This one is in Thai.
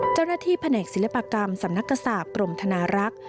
เจ้าหน้าที่แผนกศิลปากรรมสำนักกระสาปกรมธนารักษ์